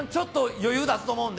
余裕出すと思うんで。